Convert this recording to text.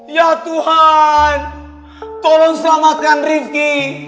ya tuhan tolong selamatkan rifki